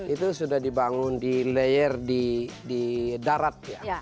itu sudah dibangun di layer di darat ya